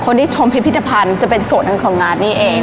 ที่ชมพิพิธภัณฑ์จะเป็นส่วนหนึ่งของงานนี้เอง